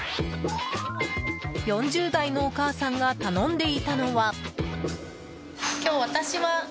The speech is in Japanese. ４０代のお母さんが頼んでいたのは。